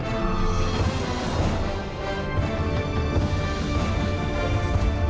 โอเคน่าติดตามค่ะ